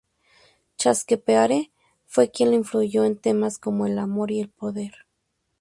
Shakespeare, fue quien la influenció en temas como el amor y el poder.